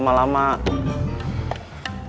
parkiran gak bisa dituker posisi di parkiran